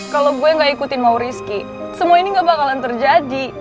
kalau gue gak ikutin mau rizky semua ini gak bakalan terjadi